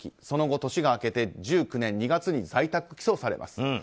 その後、年が明けて１９年２月に在宅起訴されます。